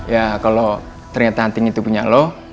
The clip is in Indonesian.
ya kalo ternyata anting itu punya lo